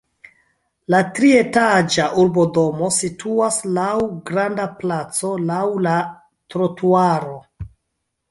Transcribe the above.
La trietaĝa urbodomo situas laŭ granda placo, laŭ la trotuaro.